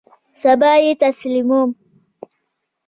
سبا یی تسلیموم